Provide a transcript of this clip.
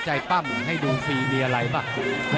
ปั้มให้ดูฟรีมีอะไรบ้าง